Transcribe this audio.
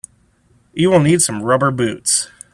You will need some rubber boots.